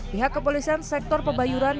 pihak kepolisian sektor pebayuran